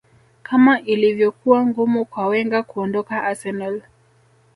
kama ilivyokuwa ngumu kwa wenger kuondoka arsenal